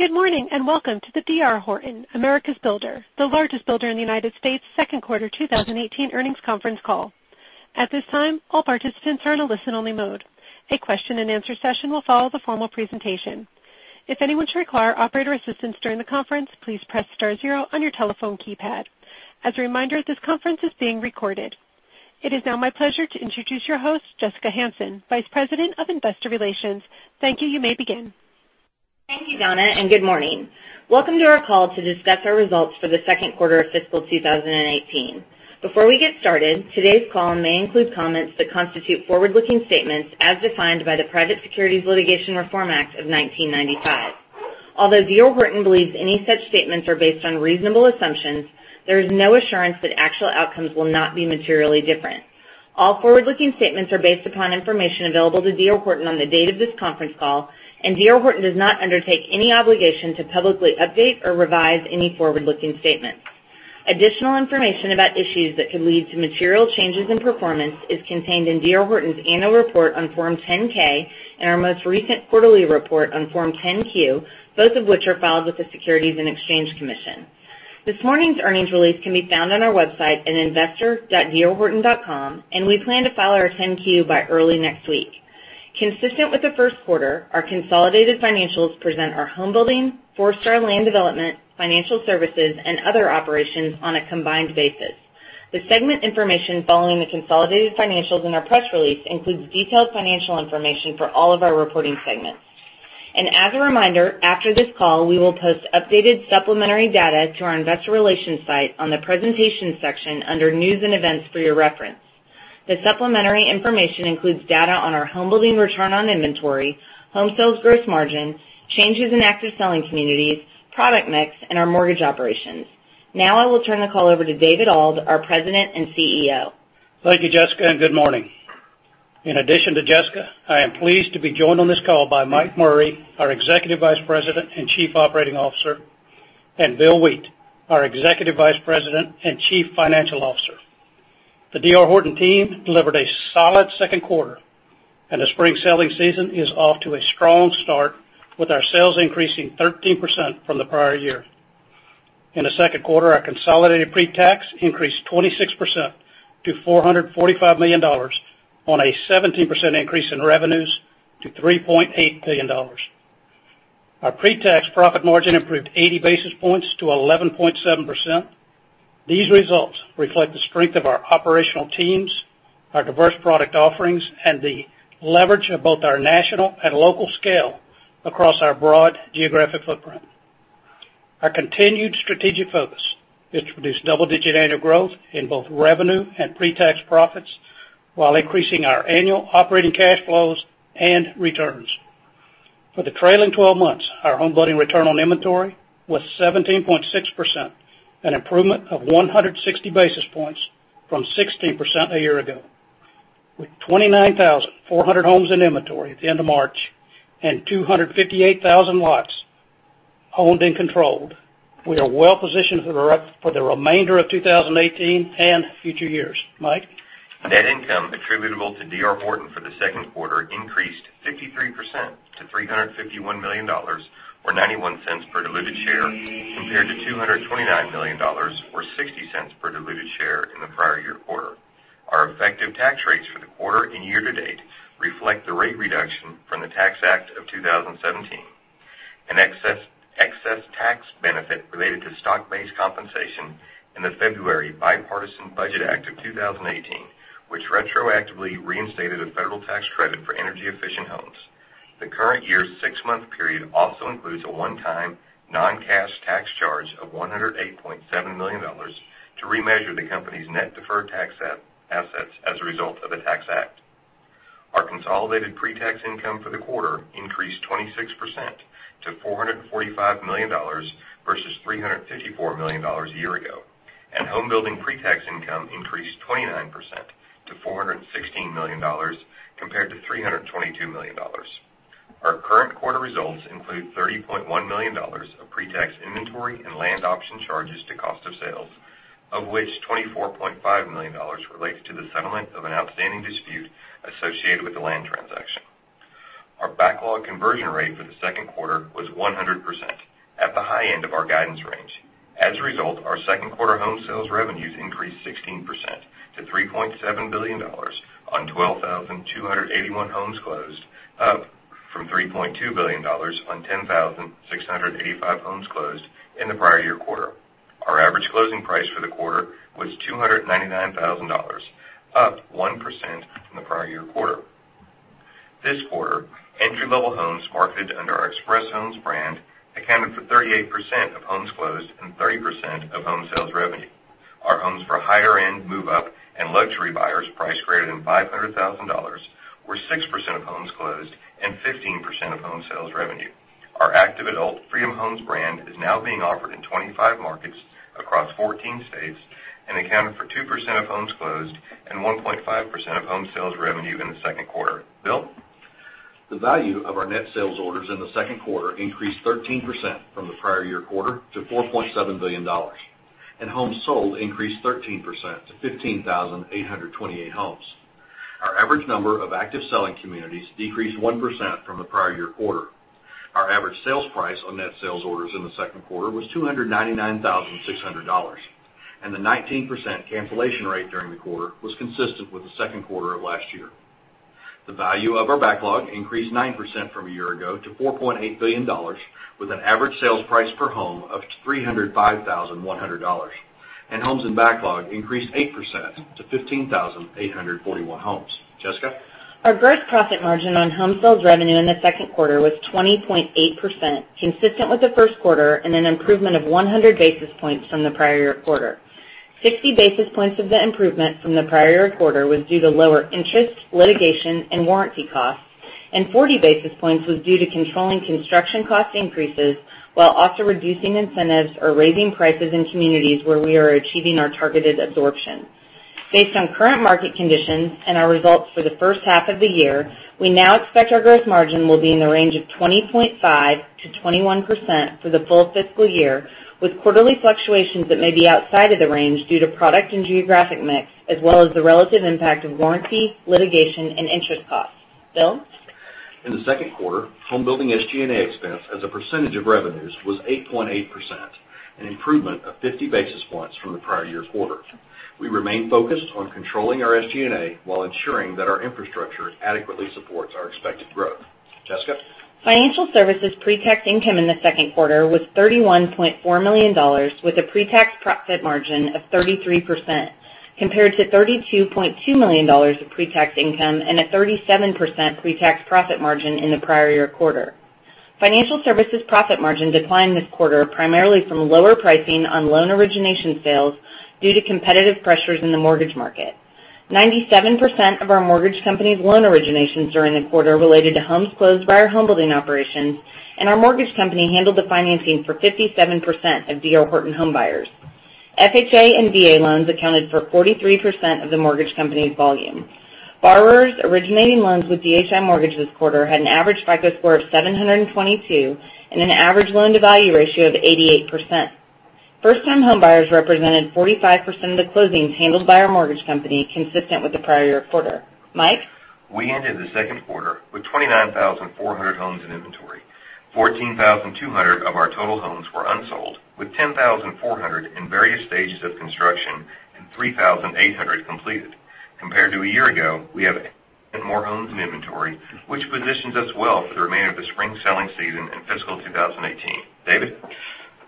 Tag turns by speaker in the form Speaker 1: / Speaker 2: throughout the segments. Speaker 1: Good morning, and welcome to the D.R. Horton, America's builder, the largest builder in the United States, second quarter 2018 earnings conference call. At this time, all participants are in a listen-only mode. A question and answer session will follow the formal presentation. If anyone should require operator assistance during the conference, please press star zero on your telephone keypad. As a reminder, this conference is being recorded. It is now my pleasure to introduce your host, Jessica Hansen, Vice President of Investor Relations. Thank you. You may begin.
Speaker 2: Thank you, Donna, and good morning. Welcome to our call to discuss our results for the second quarter of fiscal 2018. Before we get started, today's call may include comments that constitute forward-looking statements as defined by the Private Securities Litigation Reform Act of 1995. Although D.R. Horton believes any such statements are based on reasonable assumptions, there is no assurance that actual outcomes will not be materially different. All forward-looking statements are based upon information available to D.R. Horton on the date of this conference call, and D.R. Horton does not undertake any obligation to publicly update or revise any forward-looking statements. Additional information about issues that could lead to material changes in performance is contained in D.R. Horton's annual report on Form 10-K and our most recent quarterly report on Form 10-Q, both of which are filed with the Securities and Exchange Commission. This morning's earnings release can be found on our website at investor.drhorton.com, we plan to file our 10-Q by early next week. Consistent with the first quarter, our consolidated financials present our home building, Forestar land development, Financial Services, and other operations on a combined basis. The segment information following the consolidated financials in our press release includes detailed financial information for all of our reporting segments. As a reminder, after this call, we will post updated supplementary data to our investor relations site on the presentations section under news and events for your reference. The supplementary information includes data on our homebuilding return on inventory, home sales gross margin, changes in active selling communities, product mix, and our mortgage operations. Now I will turn the call over to David Auld, our President and CEO.
Speaker 3: Thank you, Jessica, and good morning. In addition to Jessica, I am pleased to be joined on this call by Mike Murray, our Executive Vice President and Chief Operating Officer, and Bill Wheat, our Executive Vice President and Chief Financial Officer. The D.R. Horton team delivered a solid second quarter, and the spring selling season is off to a strong start with our sales increasing 13% from the prior year. In the second quarter, our consolidated pre-tax increased 26% to $445 million on a 17% increase in revenues to $3.8 billion. Our pre-tax profit margin improved 80 basis points to 11.7%. These results reflect the strength of our operational teams, our diverse product offerings, and the leverage of both our national and local scale across our broad geographic footprint. Our continued strategic focus is to produce double-digit annual growth in both revenue and pre-tax profits while increasing our annual operating cash flows and returns. For the trailing 12 months, our homebuilding return on inventory was 17.6%, an improvement of 160 basis points from 16% a year ago. With 29,400 homes in inventory at the end of March and 258,000 lots owned and controlled, we are well positioned for the remainder of 2018 and future years. Mike?
Speaker 4: Net income attributable to D.R. Horton for the second quarter increased 53% to $351 million, or $0.91 per diluted share, compared to $229 million, or $0.60 per diluted share in the prior year quarter. Our effective tax rates for the quarter and year to date reflect the rate reduction from the Tax Act of 2017, an excess tax benefit related to stock-based compensation in the February Bipartisan Budget Act of 2018, which retroactively reinstated a federal tax credit for energy-efficient homes. The current year's six-month period also includes a one-time non-cash tax charge of $108.7 million to remeasure the company's net deferred tax assets as a result of the Tax Act. Our consolidated pre-tax income for the quarter increased 26% to $445 million versus $354 million a year ago, and homebuilding pre-tax income increased 29% to $416 million compared to $322 million. Our current quarter results include $30.1 million of pre-tax inventory and land option charges to cost of sales, of which $24.5 million relates to the settlement of an outstanding dispute associated with the land transaction. Our backlog conversion rate for the second quarter was 100%, at the high end of our guidance range. As a result, our second quarter home sales revenues increased 16% to $3.7 billion on 12,281 homes closed, up from $3.2 billion on 10,685 homes closed in the prior year quarter. Our average closing price for the quarter was $299,000, up 1% from the prior year quarter. This quarter, entry-level homes marketed under our Express Homes brand accounted for 38% of homes closed and 30% of home sales revenue. Our homes for higher-end move-up and luxury buyers priced greater than $500,000 were 6% of homes closed and 15% of home sales revenue. Our active adult Freedom Homes brand is now being offered in 25 markets across 14 states and accounted for 2% of homes closed and 1.5% of home sales revenue in the second quarter. Bill?
Speaker 5: The value of our net sales orders in the second quarter increased 13% from the prior year quarter to $4.7 billion, and homes sold increased 13% to 15,828 homes. Our average number of active selling communities decreased 1% from the prior year quarter. Our average sales price on net sales orders in the second quarter was $299,600, and the 19% cancellation rate during the quarter was consistent with the second quarter of last year. The value of our backlog increased 9% from a year ago to $4.8 billion, with an average sales price per home of $305,100, and homes in backlog increased 8% to 15,841 homes. Jessica?
Speaker 2: Our gross profit margin on home sales revenue in the second quarter was 20.8%, consistent with the first quarter, and an improvement of 100 basis points from the prior year quarter. 60 basis points of the improvement from the prior year quarter was due to lower interest, litigation, and warranty costs, and 40 basis points was due to controlling construction cost increases while also reducing incentives or raising prices in communities where we are achieving our targeted absorption. Based on current market conditions and our results for the first half of the year, we now expect our gross margin will be in the range of 20.5%-21% for the full fiscal year, with quarterly fluctuations that may be outside of the range due to product and geographic mix, as well as the relative impact of warranty, litigation, and interest costs. Bill?
Speaker 5: In the second quarter, home building SG&A expense as a percentage of revenues was 8.8%, an improvement of 50 basis points from the prior year's quarter. We remain focused on controlling our SG&A while ensuring that our infrastructure adequately supports our expected growth. Jessica?
Speaker 2: Financial services pretax income in the second quarter was $31.4 million, with a pretax profit margin of 33%, compared to $32.2 million of pretax income and a 37% pretax profit margin in the prior year quarter. Financial services profit margin declined this quarter primarily from lower pricing on loan origination sales due to competitive pressures in the mortgage market. 97% of our mortgage company's loan originations during the quarter related to homes closed by our home building operations, and our mortgage company handled the financing for 57% of D.R. Horton home buyers. FHA and VA loans accounted for 43% of the mortgage company's volume. Borrowers originating loans with DHI Mortgage this quarter had an average FICO score of 722 and an average loan-to-value ratio of 88%. First-time homebuyers represented 45% of the closings handled by our mortgage company, consistent with the prior year quarter. Mike?
Speaker 4: We ended the second quarter with 29,400 homes in inventory. 14,200 of our total homes were unsold, with 10,400 in various stages of construction and 3,800 completed. Compared to a year ago, we have more homes in inventory, which positions us well for the remainder of the spring selling season in fiscal 2018. David?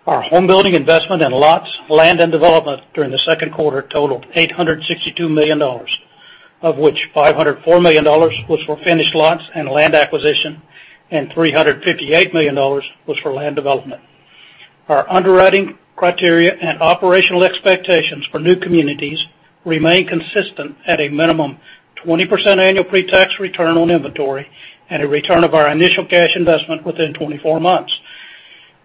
Speaker 3: Our home building investment in lots, land, and development during the second quarter totaled $862 million, of which $504 million was for finished lots and land acquisition and $358 million was for land development. Our underwriting criteria and operational expectations for new communities remain consistent at a minimum 20% annual pretax return on inventory and a return of our initial cash investment within 24 months.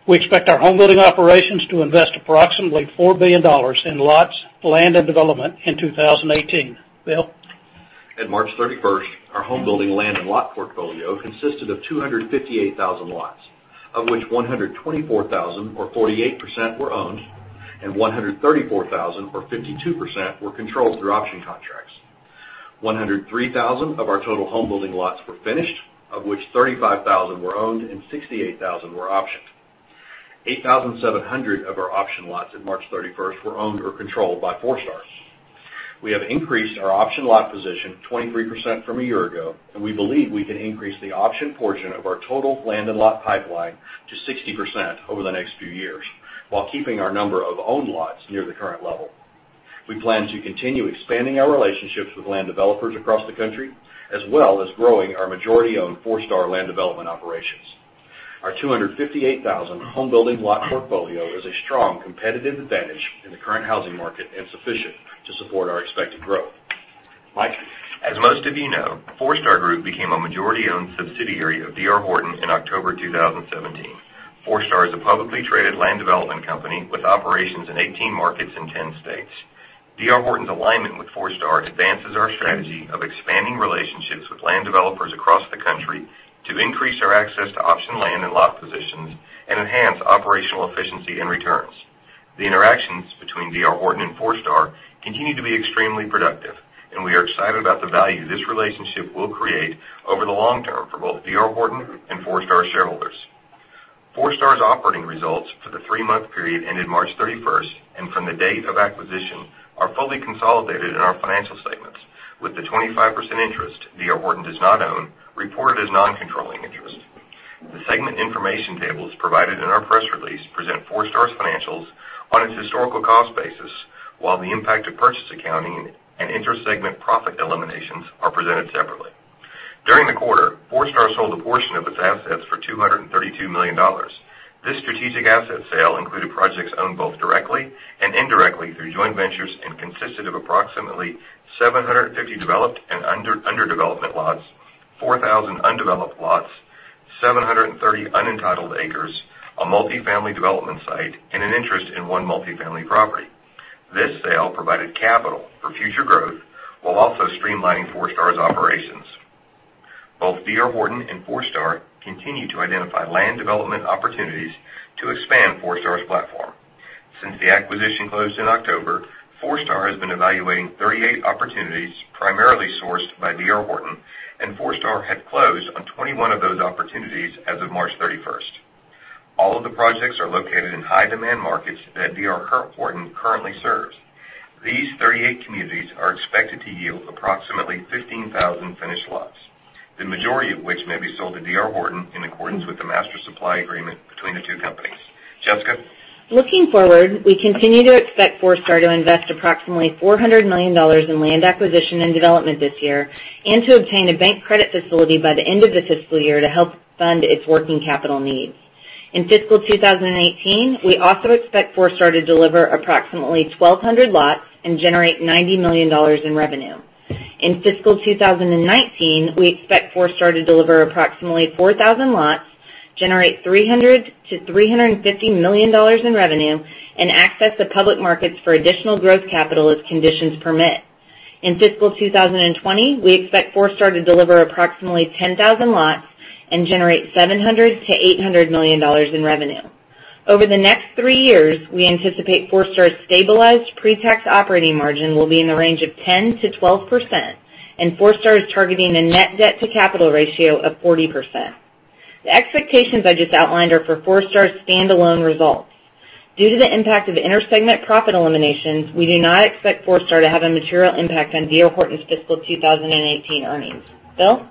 Speaker 3: We expect our home building operations to invest approximately $4 billion in lots, land, and development in 2018. Bill?
Speaker 5: At March 31st, our home building land and lot portfolio consisted of 258,000 lots, of which 124,000, or 48%, were owned, and 134,000, or 52%, were controlled through option contracts. 103,000 of our total home building lots were finished, of which 35,000 were owned and 68,000 were optioned. 8,700 of our option lots at March 31st were owned or controlled by Forestar. We have increased our option lot position 23% from a year ago, and we believe we can increase the option portion of our total land and lot pipeline to 60% over the next few years while keeping our number of owned lots near the current level. We plan to continue expanding our relationships with land developers across the country, as well as growing our majority-owned Forestar land development operations. Our 258,000 home building lot portfolio is a strong competitive advantage in the current housing market and sufficient to support our expected growth. Mike? As most of you know, Forestar Group became a majority-owned subsidiary of D.R. Horton in October 2017. Forestar is a publicly traded land development company with operations in 18 markets in 10 states. D.R. Horton's alignment with Forestar advances our strategy of expanding relationships with land developers across the country to increase our access to option land and lot positions and enhance operational efficiency and returns. The interactions between D.R. Horton and Forestar continue to be extremely productive, and we are excited about the value this relationship will create over the long term for both D.R. Horton and Forestar shareholders. Forestar's operating results for the three-month period ended March 31st, and from the date of acquisition, are fully consolidated in our financial segments, with the 25% interest D.R. Horton does not own reported as non-controlling interest. The segment information tables provided in our press release present Forestar's financials on its historical cost basis, while the impact of purchase accounting and intra-segment profit eliminations are presented separately. During the quarter, Forestar sold a portion of its assets for $232 million. This strategic asset sale included projects owned both directly and indirectly through joint ventures and consisted of approximately 750 developed and under development lots, 4,000 undeveloped lots, 730 unentitled acres, a multifamily development site, and an interest in one multifamily property. This sale provided capital for future growth while also streamlining Forestar's operations. Both D.R. Horton Horton and Forestar continue to identify land development opportunities to expand Forestar's platform. Since the acquisition closed in October, Forestar has been evaluating 38 opportunities, primarily sourced by D.R. Horton, and Forestar had closed on 21 of those opportunities as of March 31st. All of the projects are located in high-demand markets that D.R. Horton currently serves. These 38 communities are expected to yield approximately 15,000 finished lots, the majority of which may be sold to D.R. Horton in accordance with the master supply agreement between the two companies. Jessica?
Speaker 2: Looking forward, we continue to expect Forestar to invest approximately $400 million in land acquisition and development this year, and to obtain a bank credit facility by the end of the fiscal year to help fund its working capital needs. In fiscal 2018, we also expect Forestar to deliver approximately 1,200 lots and generate $90 million in revenue. In fiscal 2019, we expect Forestar to deliver approximately 4,000 lots, generate $300 million-$350 million in revenue, and access the public markets for additional growth capital as conditions permit. In fiscal 2020, we expect Forestar to deliver approximately 10,000 lots and generate $700 million-$800 million in revenue. Over the next three years, we anticipate Forestar's stabilized pre-tax operating margin will be in the range of 10%-12%, and Forestar is targeting a net debt to capital ratio of 40%. The expectations I just outlined are for Forestar's standalone results. Due to the impact of inter-segment profit eliminations, we do not expect Forestar to have a material impact on D.R. Horton's fiscal 2018 earnings. Bill?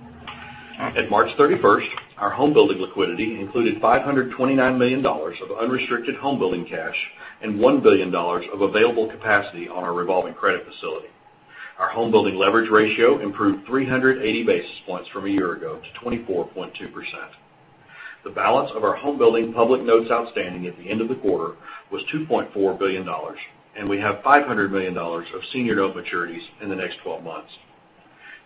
Speaker 5: At March 31st, our home building liquidity included $529 million of unrestricted home building cash and $1 billion of available capacity on our revolving credit facility. Our home building leverage ratio improved 380 basis points from a year ago to 24.2%. The balance of our home building public notes outstanding at the end of the quarter was $2.4 billion, and we have $500 million of senior note maturities in the next 12 months.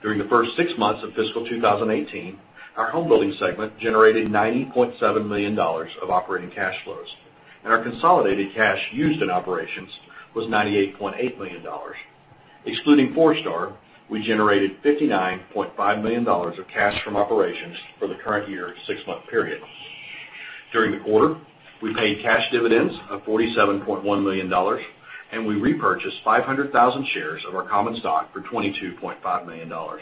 Speaker 5: During the first six months of fiscal 2018, our home building segment generated $90.7 million of operating cash flows, and our consolidated cash used in operations was $98.8 million. Excluding Forestar, we generated $59.5 million of cash from operations for the current year six-month period. During the quarter, we paid cash dividends of $47.1 million, and we repurchased 500,000 shares of our common stock for $22.5 million. Our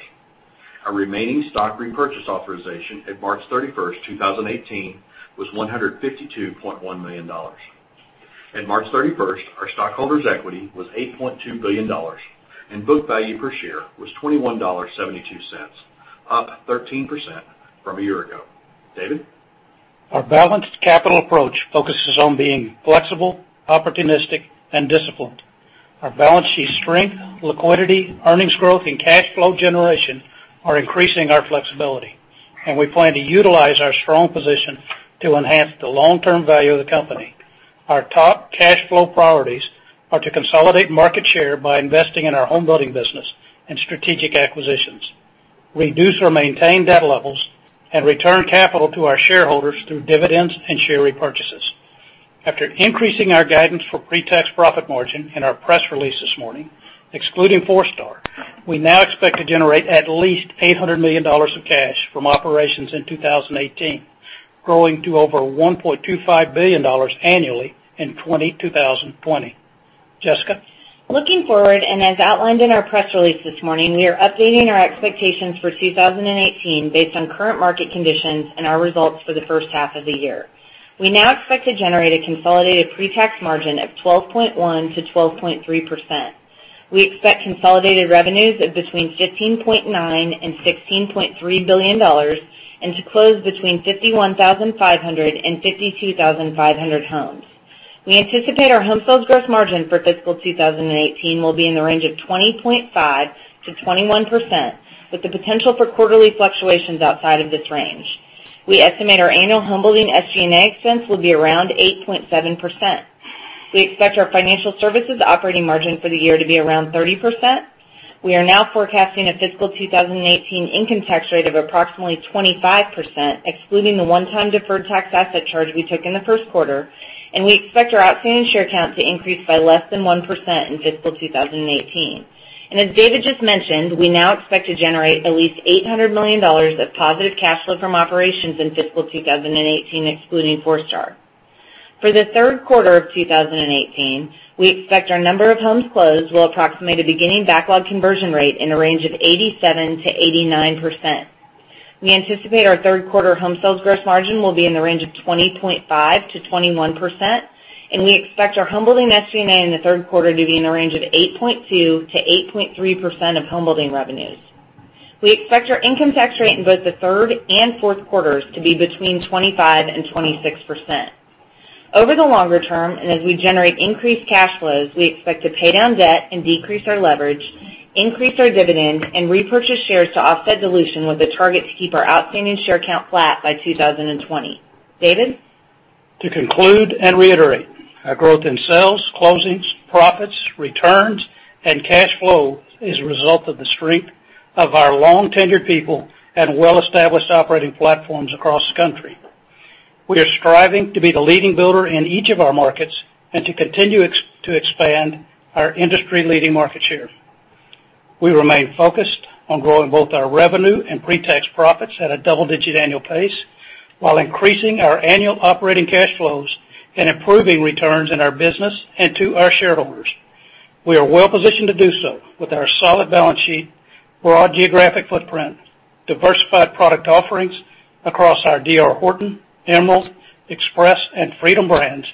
Speaker 5: remaining stock repurchase authorization at March 31st, 2018 was $152.1 million. At March 31st, our stockholders' equity was $8.2 billion, and book value per share was $21.72, up 13% from a year ago. David?
Speaker 3: Our balanced capital approach focuses on being flexible, opportunistic, and disciplined. Our balance sheet strength, liquidity, earnings growth, and cash flow generation are increasing our flexibility, and we plan to utilize our strong position to enhance the long-term value of the company. Our top cash flow priorities are to consolidate market share by investing in our home building business and strategic acquisitions, reduce or maintain debt levels, and return capital to our shareholders through dividends and share repurchases. After increasing our guidance for pre-tax profit margin in our press release this morning, excluding Forestar, we now expect to generate at least $800 million of cash from operations in 2018, growing to over $1.25 billion annually in 2020. Jessica?
Speaker 2: Looking forward, as outlined in our press release this morning, we are updating our expectations for 2018 based on current market conditions and our results for the first half of the year. We now expect to generate a consolidated pre-tax margin of 12.1%-12.3%. We expect consolidated revenues of between $15.9 billion and $16.3 billion, and to close between 51,500 and 52,500 homes. We anticipate our home sales gross margin for fiscal 2018 will be in the range of 20.5%-21%, with the potential for quarterly fluctuations outside of this range. We estimate our annual home building SG&A expense will be around 8.7%. We expect our Financial Services operating margin for the year to be around 30%. We are now forecasting a fiscal 2018 income tax rate of approximately 25%, excluding the one-time deferred tax asset charge we took in the first quarter. We expect our outstanding share count to increase by less than 1% in fiscal 2018. As David just mentioned, we now expect to generate at least $800 million of positive cash flow from operations in fiscal 2018, excluding Forestar. For the third quarter of 2018, we expect our number of homes closed will approximate a beginning backlog conversion rate in the range of 87%-89%. We anticipate our third quarter home sales gross margin will be in the range of 20.5%-21%. We expect our home building SG&A in the third quarter to be in the range of 8.2%-8.3% of home building revenues. We expect our income tax rate in both the third and fourth quarters to be between 25%-26%. Over the longer term, as we generate increased cash flows, we expect to pay down debt and decrease our leverage, increase our dividend, and repurchase shares to offset dilution with a target to keep our outstanding share count flat by 2020. David?
Speaker 3: To conclude and reiterate, our growth in sales, closings, profits, returns, and cash flow is a result of the strength of our long-tenured people and well-established operating platforms across the country. We are striving to be the leading builder in each of our markets and to continue to expand our industry-leading market share. We remain focused on growing both our revenue and pre-tax profits at a double-digit annual pace while increasing our annual operating cash flows and improving returns in our business and to our shareholders. We are well-positioned to do so with our solid balance sheet, broad geographic footprint, diversified product offerings across our D.R. Horton, Emerald Homes, Express Homes, and Freedom Homes brands,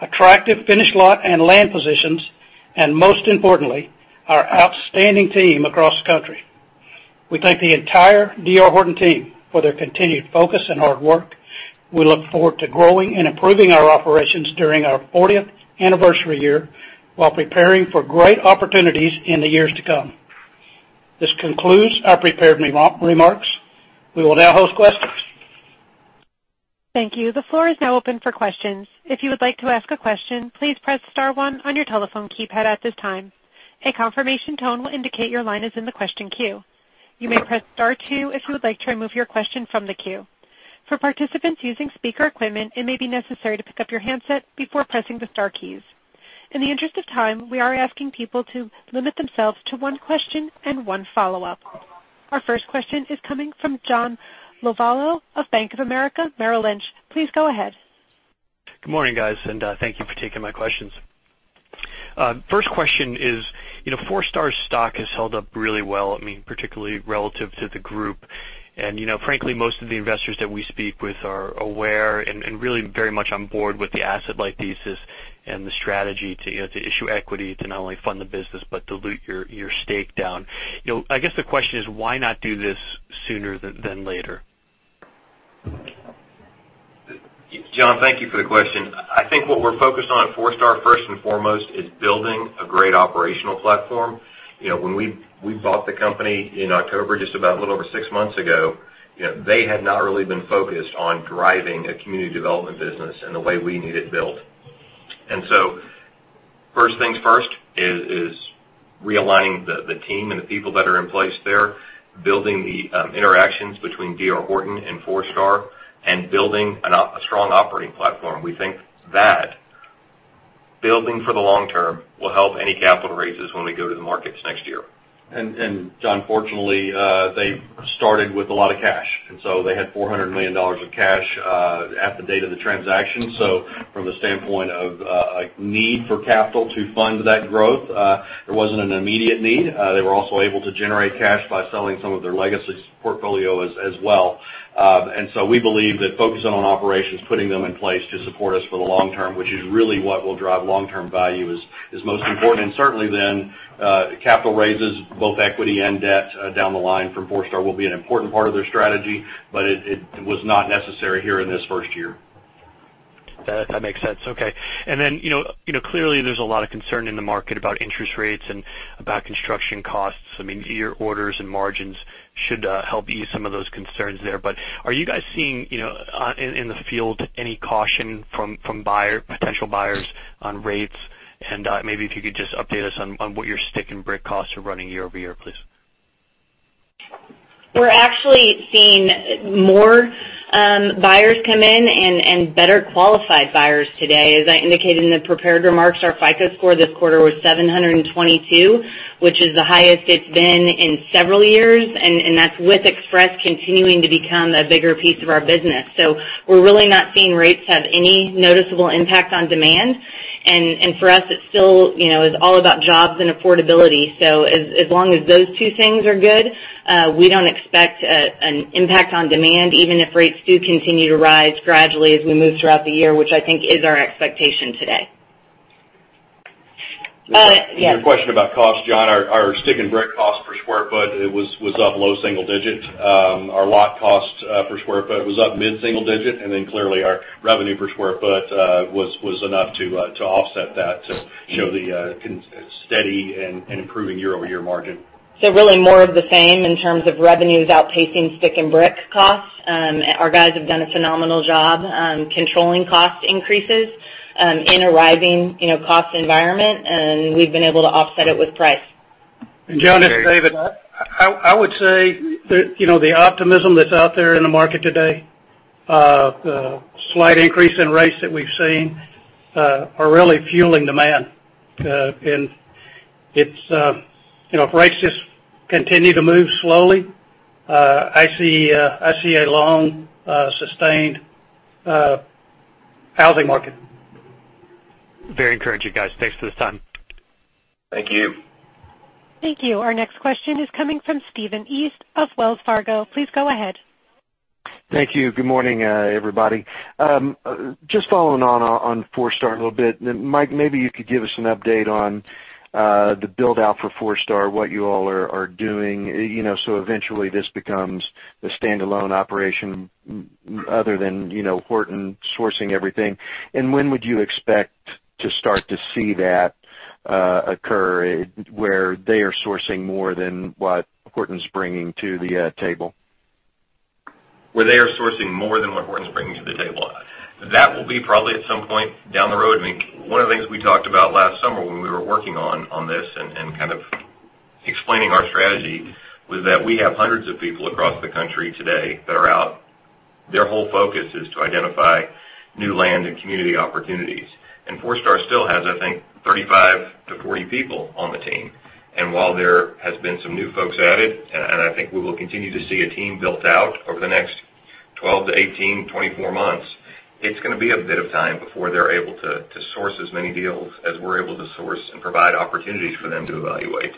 Speaker 3: attractive finished lot and land positions, and most importantly, our outstanding team across the country. We thank the entire D.R. Horton team for their continued focus and hard work. We look forward to growing and improving our operations during our 40th anniversary year while preparing for great opportunities in the years to come. This concludes our prepared remarks. We will now host questions.
Speaker 1: Thank you. The floor is now open for questions. If you would like to ask a question, please press star one on your telephone keypad at this time. A confirmation tone will indicate your line is in the question queue. You may press star two if you would like to remove your question from the queue. For participants using speaker equipment, it may be necessary to pick up your handset before pressing the star keys. In the interest of time, we are asking people to limit themselves to one question and one follow-up. Our first question is coming from John Lovallo of Bank of America, Merrill Lynch. Please go ahead.
Speaker 6: Good morning, guys, and thank you for taking my questions. First question is, Forestar's stock has held up really well, particularly relative to the group. Frankly, most of the investors that we speak with are aware and really very much on board with the asset-light thesis and the strategy to issue equity to not only fund the business but dilute your stake down. I guess the question is, why not do this sooner than later?
Speaker 4: John, thank you for the question. I think what we're focused on at Forestar, first and foremost, is building a great operational platform. When we bought the company in October, just about a little over 6 months ago, they had not really been focused on driving a community development business in the way we need it built. So first things first is realigning the team and the people that are in place there, building the interactions between D.R. Horton and Forestar, and building a strong operating platform. We think that building for the long term will help any capital raises when we go to the markets next year.
Speaker 5: John, fortunately, they started with a lot of cash. They had $400 million of cash at the date of the transaction. From the standpoint of a need for capital to fund that growth, there wasn't an immediate need. They were also able to generate cash by selling some of their legacy portfolio as well. We believe that focusing on operations, putting them in place to support us for the long term, which is really what will drive long-term value, is most important. Certainly then, capital raises both equity and debt down the line from Forestar will be an important part of their strategy, but it was not necessary here in this first year.
Speaker 6: That makes sense. Okay. Then, clearly there's a lot of concern in the market about interest rates and about construction costs. Your orders and margins should help ease some of those concerns there. Are you guys seeing, in the field, any caution from potential buyers on rates? Maybe if you could just update us on what your stick and brick costs are running year-over-year, please.
Speaker 2: We're actually seeing more buyers come in and better qualified buyers today. As I indicated in the prepared remarks, our FICO score this quarter was 722, which is the highest it's been in several years, and that's with Express continuing to become a bigger piece of our business. We're really not seeing rates have any noticeable impact on demand. For us, it still is all about jobs and affordability. As long as those two things are good, we don't expect an impact on demand, even if rates do continue to rise gradually as we move throughout the year, which I think is our expectation today. Yes.
Speaker 5: To your question about cost, John, our stick and brick cost per square foot was up low single digits. Our lot cost per square foot was up mid-single digit. Clearly our revenue per square foot was enough to offset that to show the steady and improving year-over-year margin.
Speaker 2: More of the same in terms of revenues outpacing stick and brick costs. Our guys have done a phenomenal job controlling cost increases in a rising cost environment, and we've been able to offset it with price.
Speaker 3: John, it's David. I would say that the optimism that's out there in the market today, the slight increase in rates that we've seen, are really fueling demand. If rates just continue to move slowly, I see a long, sustained housing market.
Speaker 6: Very encouraging, guys. Thanks for the time.
Speaker 4: Thank you.
Speaker 1: Thank you. Our next question is coming from Stephen East of Wells Fargo. Please go ahead.
Speaker 7: Thank you. Good morning, everybody. Just following on Forestar a little bit. Mike, maybe you could give us an update on the build-out for Forestar, what you all are doing, so eventually this becomes a standalone operation other than Horton sourcing everything. When would you expect to start to see that occur, where they are sourcing more than what Horton's bringing to the table?
Speaker 4: Where they are sourcing more than what Horton's bringing to the table. That will be probably at some point down the road. One of the things we talked about last summer when we were working on this and kind of explaining our strategy was that we have hundreds of people across the country today that are out. Their whole focus is to identify new land and community opportunities. Forestar still has, I think, 35-40 people on the team. While there has been some new folks added, I think we will continue to see a team built out over the next 12-18, 24 months, it's going to be a bit of time before they're able to source as many deals as we're able to source and provide opportunities for them to evaluate.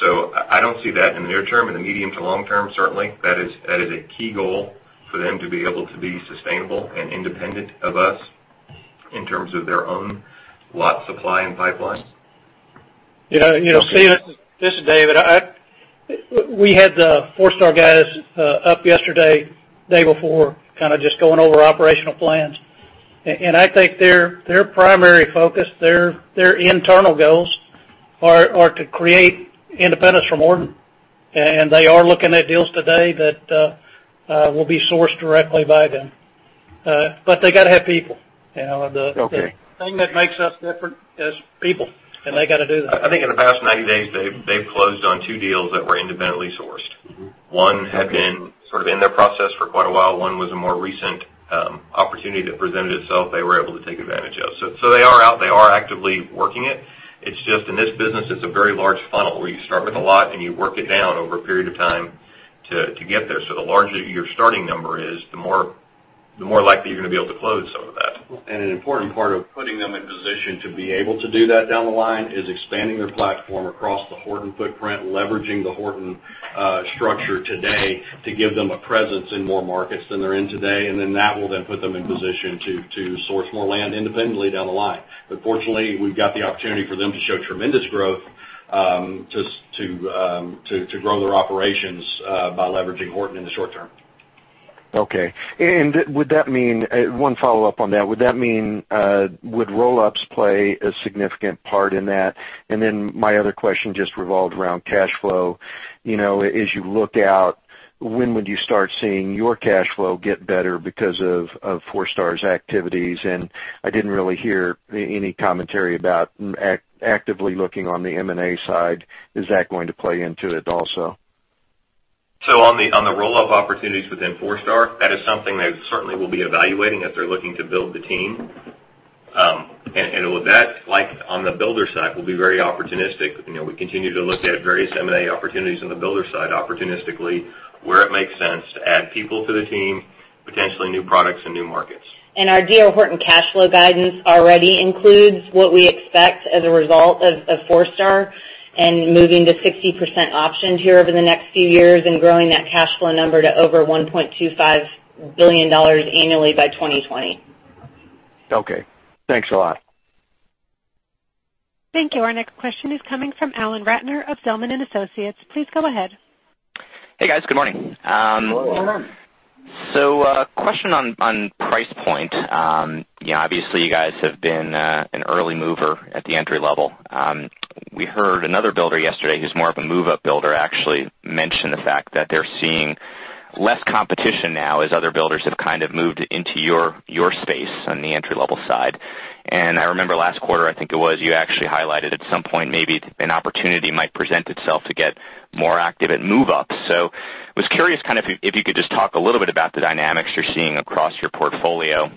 Speaker 4: I don't see that in the near term. In the medium to long term, certainly, that is a key goal for them to be able to be sustainable and independent of us in terms of their own lot supply and pipeline.
Speaker 3: Yeah. Steve, this is David. We had the Forestar guys up yesterday, day before, just going over operational plans. I think their primary focus, their internal goals are to create independence from Horton. They are looking at deals today that will be sourced directly by them. They got to have people.
Speaker 7: Okay.
Speaker 3: The thing that makes us different is people, and they got to do that.
Speaker 4: I think in the past 90 days, they've closed on two deals that were independently sourced. One had been sort of in their process for quite a while. One was a more recent opportunity that presented itself, they were able to take advantage of. They are out, they are actively working it. It's just in this business, it's a very large funnel where you start with a lot, and you work it down over a period of time to get there. The larger your starting number is, the more likely you're going to be able to close some of that.
Speaker 5: An important part of putting them in position to be able to do that down the line is expanding their platform across the Horton footprint, leveraging the Horton structure today to give them a presence in more markets than they're in today. That will then put them in position to source more land independently down the line. Fortunately, we've got the opportunity for them to show tremendous growth to grow their operations by leveraging Horton in the short term.
Speaker 7: Okay. One follow-up on that. Would that mean, would roll-ups play a significant part in that? My other question just revolved around cash flow. As you look out, when would you start seeing your cash flow get better because of Forestar's activities? I didn't really hear any commentary about actively looking on the M&A side. Is that going to play into it also?
Speaker 4: On the roll-up opportunities within Forestar, that is something they certainly will be evaluating as they're looking to build the team. That, like on the builder side, will be very opportunistic. We continue to look at various M&A opportunities on the builder side opportunistically, where it makes sense to add people to the team, potentially new products and new markets.
Speaker 2: Our D.R. Horton cash flow guidance already includes what we expect as a result of Forestar and moving to 60% options here over the next few years and growing that cash flow number to over $1.25 billion annually by 2020.
Speaker 7: Okay. Thanks a lot.
Speaker 1: Thank you. Our next question is coming from Alan Ratner of Zelman & Associates. Please go ahead.
Speaker 8: Hey, guys. Good morning.
Speaker 3: Good morning.
Speaker 2: Good morning.
Speaker 8: A question on price point. Obviously, you guys have been an early mover at the entry-level. We heard another builder yesterday who's more of a move-up builder, actually mention the fact that they're seeing less competition now as other builders have kind of moved into your space on the entry-level side. I remember last quarter, I think it was, you actually highlighted at some point maybe an opportunity might present itself to get more active at move-up. I was curious if you could just talk a little bit about the dynamics you're seeing across your portfolio.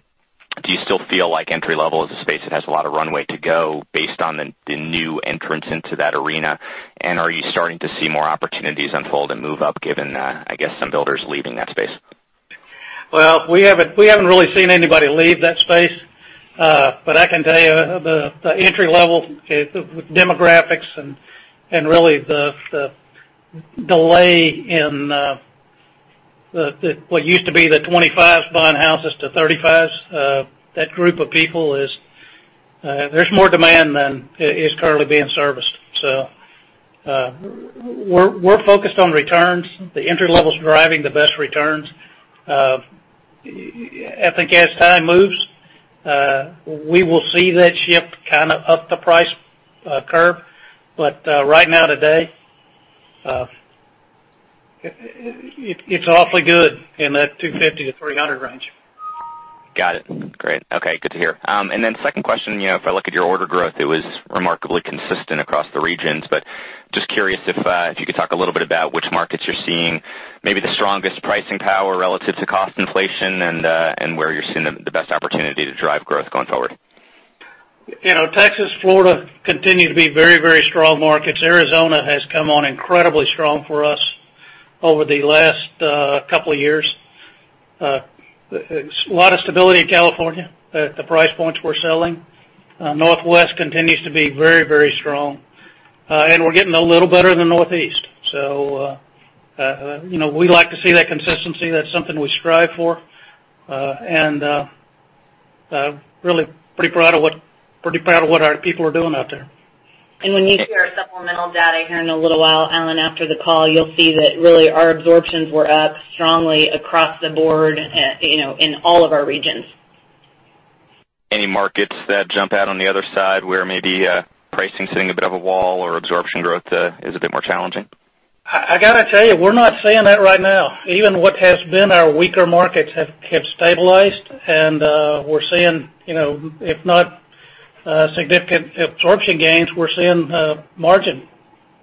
Speaker 8: Do you still feel like entry-level is a space that has a lot of runway to go based on the new entrants into that arena? Are you starting to see more opportunities unfold in move-up given, I guess, some builders leaving that space?
Speaker 3: Well, we haven't really seen anybody leave that space. I can tell you, the entry-level, with demographics and really the delay in what used to be the 25s buying houses to 35s, that group of people is, there's more demand than is currently being serviced. We're focused on returns. The entry level is driving the best returns. I think as time moves, we will see that shift kind of up the price curve. Right now, today, it's awfully good in that $250-$300 range.
Speaker 8: Got it. Great. Okay, good to hear. Then second question, if I look at your order growth, it was remarkably consistent across the regions. Just curious if you could talk a little bit about which markets you're seeing maybe the strongest pricing power relative to cost inflation and where you're seeing the best opportunity to drive growth going forward.
Speaker 3: Texas, Florida continue to be very, very strong markets. Arizona has come on incredibly strong for us over the last couple of years. A lot of stability in California at the price points we're selling. Northwest continues to be very, very strong. We're getting a little better in the Northeast. We like to see that consistency. That's something we strive for. Really pretty proud of what our people are doing out there.
Speaker 2: When you see our supplemental data here in a little while, Alan, after the call, you'll see that really our absorptions were up strongly across the board in all of our regions.
Speaker 8: Any markets that jump out on the other side where maybe pricing's hitting a bit of a wall or absorption growth is a bit more challenging?
Speaker 3: I got to tell you, we're not seeing that right now. Even what has been our weaker markets have stabilized, and we're seeing, if not significant absorption gains, we're seeing margin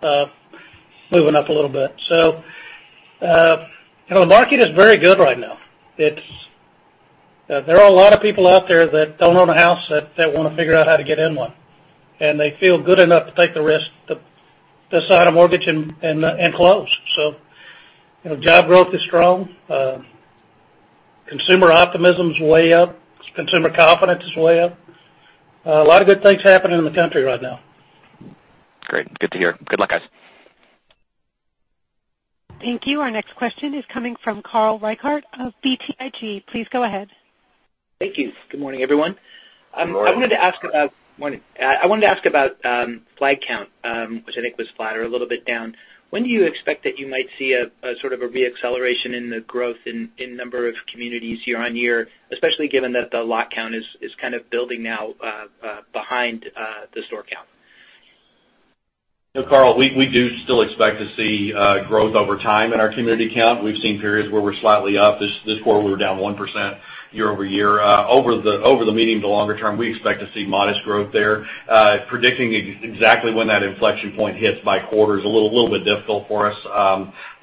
Speaker 3: moving up a little bit. The market is very good right now. There are a lot of people out there that don't own a house that want to figure out how to get in one, and they feel good enough to take the risk to sign a mortgage and close. Job growth is strong. Consumer optimism is way up. Consumer confidence is way up. A lot of good things happening in the country right now.
Speaker 8: Great. Good to hear. Good luck, guys.
Speaker 1: Thank you. Our next question is coming from Carl Reichardt of BTIG. Please go ahead.
Speaker 9: Thank you. Good morning, everyone.
Speaker 3: Good morning.
Speaker 9: Morning. I wanted to ask about community count, which I think was flat or a little bit down. When do you expect that you might see a sort of a re-acceleration in the growth in number of communities year-on-year, especially given that the lot count is kind of building now behind the community count?
Speaker 5: Carl, we do still expect to see growth over time in our community count. We've seen periods where we're slightly up. This quarter, we were down 1% year-over-year. Over the medium to longer term, we expect to see modest growth there. Predicting exactly when that inflection point hits by quarter is a little bit difficult for us.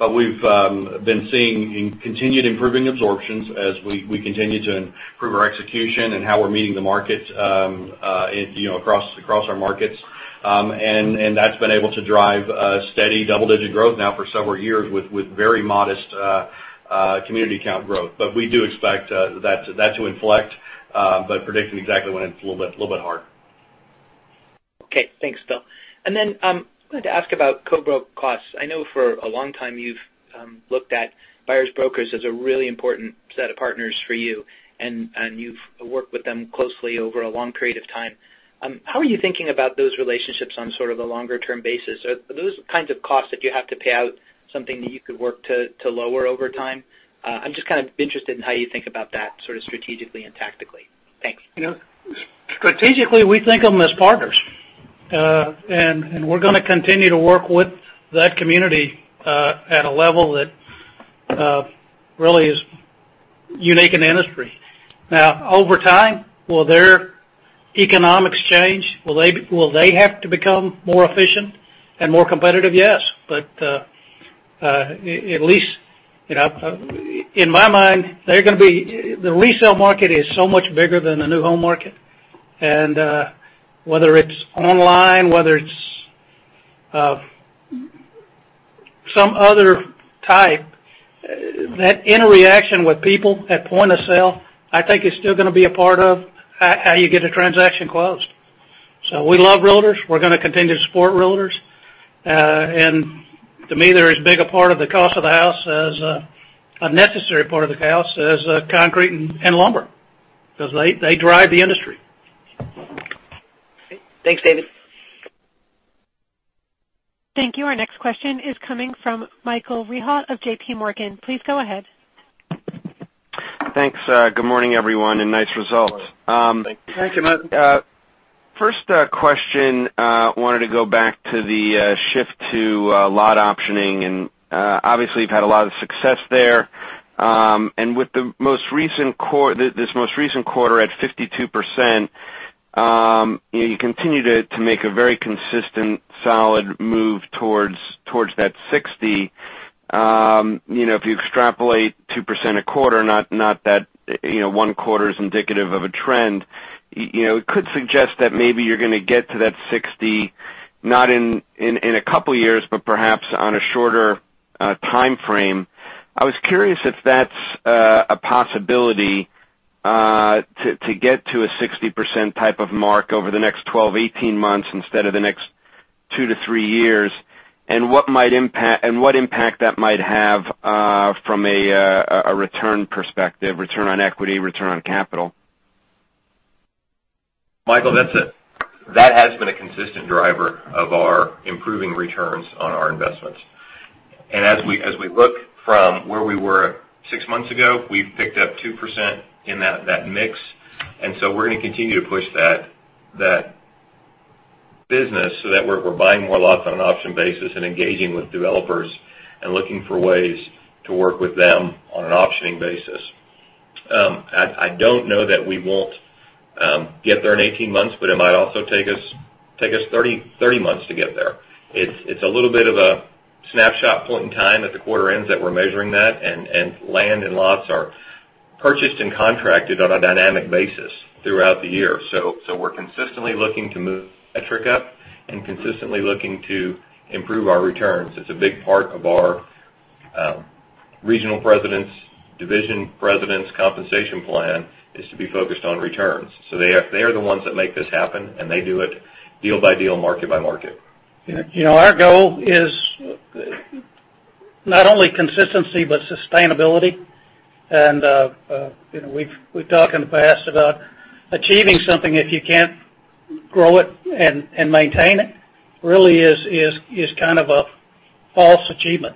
Speaker 5: We've been seeing continued improving absorptions as we continue to improve our execution and how we're meeting the market, across our markets. That's been able to drive a steady double-digit growth now for several years with very modest community count growth. We do expect that to inflect, but predicting exactly when, it's a little bit hard.
Speaker 9: Okay. Thanks, Bill. I wanted to ask about co-broke costs. I know for a long time you've looked at buyer's brokers as a really important set of partners for you, and you've worked with them closely over a long period of time. How are you thinking about those relationships on sort of a longer-term basis? Are those kinds of costs that you have to pay out something that you could work to lower over time? I'm just kind of interested in how you think about that sort of strategically and tactically. Thanks.
Speaker 3: Strategically, we think of them as partners. We're going to continue to work with that community at a level that really is unique in the industry. Now, over time, will their economics change? Will they have to become more efficient and more competitive? Yes. At least, in my mind, the resale market is so much bigger than the new home market. Whether it's online, whether it's some other type, that interaction with people at point of sale, I think is still going to be a part of how you get a transaction closed. We love realtors. We're going to continue to support realtors. To me, they're as big a part of the cost of the house as a necessary part of the house as concrete and lumber, because they drive the industry.
Speaker 9: Okay. Thanks, David.
Speaker 1: Thank you. Our next question is coming from Michael Rehaut of J.P. Morgan. Please go ahead.
Speaker 10: Thanks. Good morning, everyone, and nice results.
Speaker 3: Thank you.
Speaker 4: Thank you.
Speaker 10: First question, wanted to go back to the shift to lot optioning, obviously you've had a lot of success there. With this most recent quarter at 52%, you continue to make a very consistent, solid move towards that 60%. If you extrapolate 2% a quarter, not that one quarter is indicative of a trend, it could suggest that maybe you're going to get to that 60%, not in a couple of years, but perhaps on a shorter timeframe. I was curious if that's a possibility to get to a 60% type of mark over the next 12-18 months instead of the next 2-3 years, and what impact that might have from a return perspective, return on equity, return on capital.
Speaker 4: Michael, that has been a consistent driver of our improving returns on our investments. As we look from where we were six months ago, we've picked up 2% in that mix, we're going to continue to push that business so that we're buying more lots on an option basis and engaging with developers and looking for ways to work with them on an optioning basis. I don't know that we won't get there in 18 months, but it might also take us 30 months to get there. It's a little bit of a snapshot point in time at the quarter ends that we're measuring that and land and lots are purchased and contracted on a dynamic basis throughout the year. We're consistently looking to move metric up and consistently looking to improve our returns. It's a big part of our regional presidents, division presidents' compensation plan is to be focused on returns. They are the ones that make this happen, and they do it deal by deal, market by market.
Speaker 3: Our goal is not only consistency, but sustainability. We've talked in the past about achieving something if you can't grow it and maintain it really is kind of a false achievement.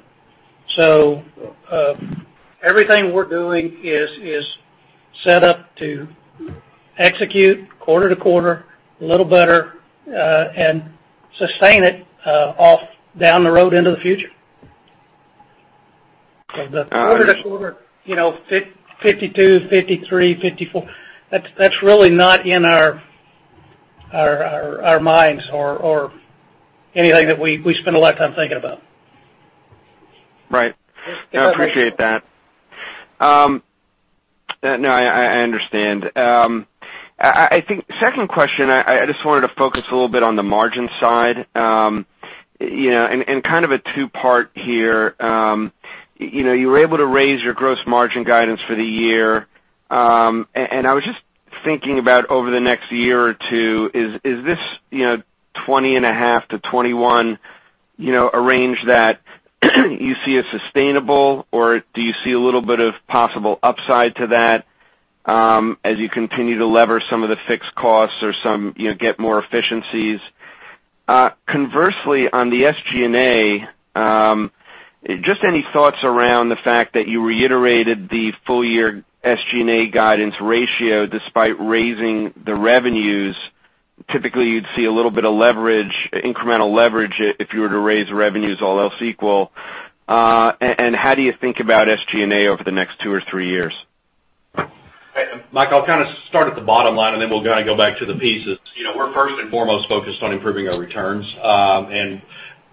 Speaker 3: Everything we're doing is set up to execute quarter to quarter a little better, and sustain it off down the road into the future. The quarter to quarter, 52, 53, 54, that's really not in our minds or anything that we spend a lot of time thinking about.
Speaker 10: Right. I appreciate that. No, I understand. I think second question, I just wanted to focus a little bit on the margin side, and kind of a two-part here. You were able to raise your gross margin guidance for the year, I was just thinking about over the next year or two, is this 20.5%-21% a range that you see as sustainable, or do you see a little bit of possible upside to that as you continue to lever some of the fixed costs or get more efficiencies? Conversely, on the SG&A, just any thoughts around the fact that you reiterated the full year SG&A guidance ratio despite raising the revenues. Typically, you'd see a little bit of leverage, incremental leverage, if you were to raise revenues all else equal. How do you think about SG&A over the next two or three years?
Speaker 5: Mike, I'll kind of start at the bottom line, then we'll go back to the pieces. We're first and foremost focused on improving our returns.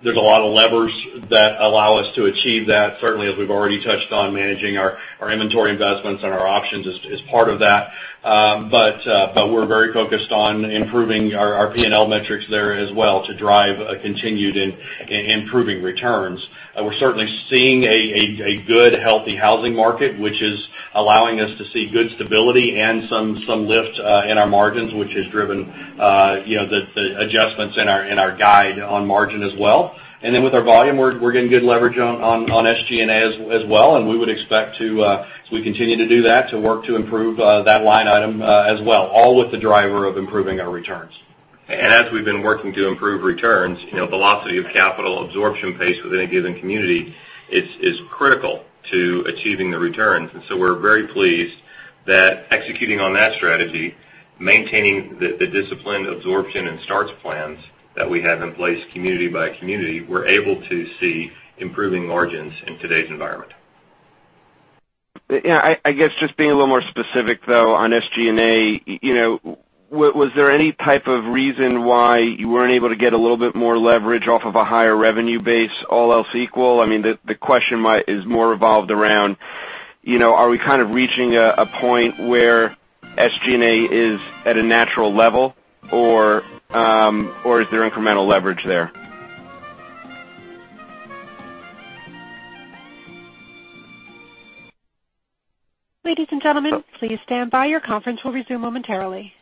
Speaker 5: There's a lot of levers that allow us to achieve that. Certainly, as we've already touched on, managing our inventory investments and our options is part of that. We're very focused on improving our P&L metrics there as well to drive a continued improving returns. We're certainly seeing a good, healthy housing market, which is allowing us to see good stability and some lift in our margins, which has driven the adjustments in our guide on margin as well. Then with our volume, we're getting good leverage on SG&A as well, and we would expect to, as we continue to do that, to work to improve that line item as well, all with the driver of improving our returns.
Speaker 4: As we've been working to improve returns, velocity of capital absorption pace within a given community is critical to achieving the returns. We're very pleased that executing on that strategy, maintaining the disciplined absorption and starts plans that we have in place community by community, we're able to see improving margins in today's environment.
Speaker 10: Yeah. I guess just being a little more specific, though, on SG&A, was there any type of reason why you weren't able to get a little bit more leverage off of a higher revenue base, all else equal? The question is more revolved around, are we kind of reaching a point where SG&A is at a natural level or is there incremental leverage there?
Speaker 1: Ladies and gentlemen, please stand by. Your conference will resume momentarily.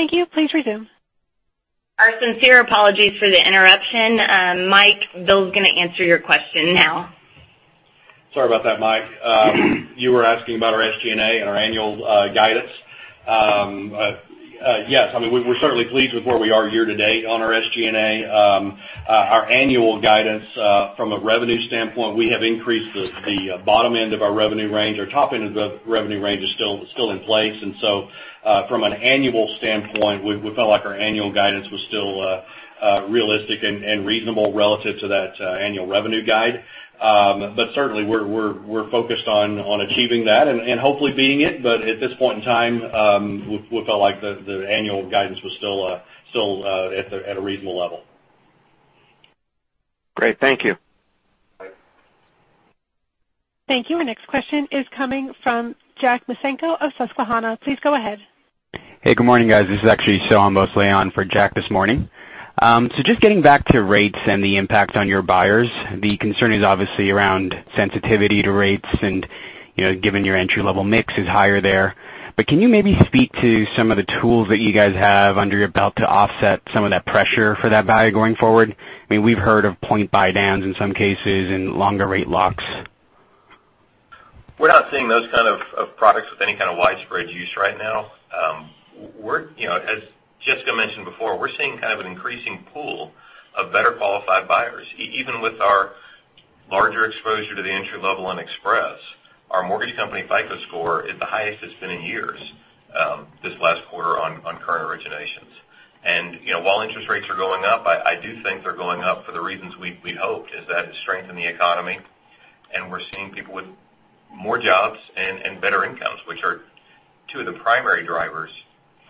Speaker 1: Thank you. Please resume.
Speaker 2: Our sincere apologies for the interruption. Mike, Bill's going to answer your question now.
Speaker 5: Sorry about that, Mike. You were asking about our SG&A and our annual guidance. Yes, we're certainly pleased with where we are year to date on our SG&A. Our annual guidance, from a revenue standpoint, we have increased the bottom end of our revenue range. Our top end of revenue range is still in place. From an annual standpoint, we felt like our annual guidance was still realistic and reasonable relative to that annual revenue guide. Certainly, we're focused on achieving that and hopefully beating it. At this point in time, we felt like the annual guidance was still at a reasonable level.
Speaker 10: Great. Thank you.
Speaker 5: Bye.
Speaker 1: Thank you. Our next question is coming from Jack Micenko of Susquehanna. Please go ahead.
Speaker 11: Hey, good morning, guys. This is actually Soham Bhosle on for Jack this morning. Just getting back to rates and the impact on your buyers, the concern is obviously around sensitivity to rates and given your entry-level mix is higher there. Can you maybe speak to some of the tools that you guys have under your belt to offset some of that pressure for that value going forward? I mean, we've heard of point buy downs in some cases and longer rate locks.
Speaker 5: We're not seeing those kind of products with any kind of widespread use right now. As Jessica mentioned before, we're seeing kind of an increasing pool of better-qualified buyers. Even with our larger exposure to the entry-level and Express Homes, our mortgage company FICO score is the highest it's been in years this last quarter on current originations. While interest rates are going up, I do think they're going up for the reasons we'd hoped, is that it's strengthening the economy, and we're seeing people with more jobs and better incomes, which are two of the primary drivers